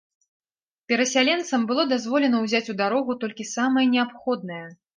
Перасяленцам было дазволена ўзяць у дарогу толькі самае неабходнае.